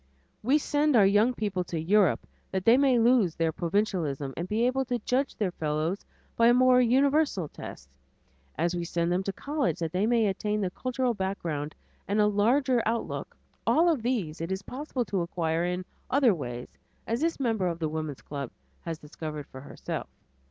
We send our young people to Europe that they may lose their provincialism and be able to judge their fellows by a more universal test, as we send them to college that they may attain the cultural background and a larger outlook; all of these it is possible to acquire in other ways, as this member of the woman's club had discovered for herself.